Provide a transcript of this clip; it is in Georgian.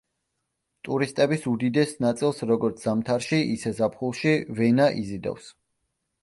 ტურისტების უდიდეს ნაწილს, როგორც ზამთარში, ისე ზაფხულში, ვენა იზიდავს.